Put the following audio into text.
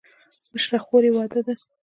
مشره خور یې واده ده.